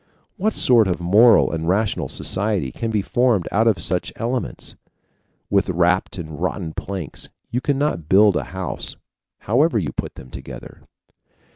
What sort of moral and rational society can be formed out of such elements? With warped and rotten planks you cannot build a house, however you put them together.